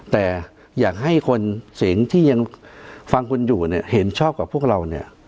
แต่อยากให้คนเสียงที่ยังฟังคนอยู่เห็นชอบกับพวกเรา